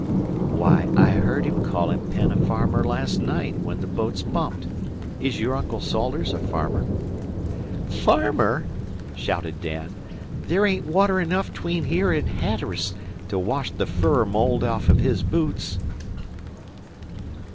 "Why, I heard him calling Penn a farmer last night when the boats bumped. Is your Uncle Salters a farmer?" "Farmer!" shouted Dan. "There ain't water enough 'tween here an' Hatt'rus to wash the furrer mold off'n his boots.